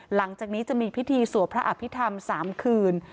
หลังจากนี้จะมีพิธีสวดพระอภิษฐรรม๓คืน